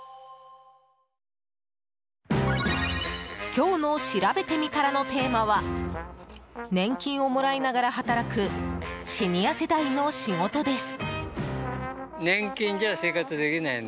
今日のしらべてみたらのテーマは年金をもらいながら働くシニア世代の仕事です。